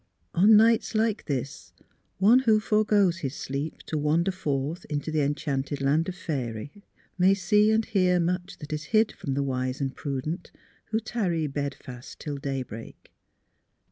On nights like this, one who foregoes his sleep to wander forth into the enchanted land of faerie may see and hear much that is hid from the wise and prudent, who tarry bed fast till day break.